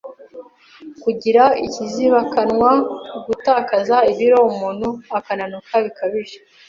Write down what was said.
kugira ikizibakanwa, gutakaza ibiro umuntu akananuka bikabije